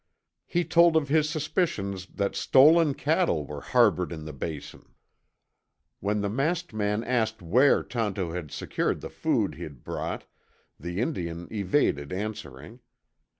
He told of his suspicions that stolen cattle were harbored in the Basin. When the masked man asked where Tonto had secured the food he'd brought, the Indian evaded answering.